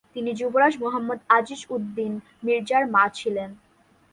তিনি যুবরাজ মুহাম্মদ আজিজ-উদ-দীন মির্জার মা ছিলেন।